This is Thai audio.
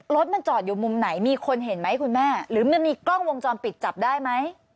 รถมันจอดอยู่มุมไหนมีคนเห็นไหมคุณแม่หรือมันมีกล้องวงจรปิดจับได้ไหม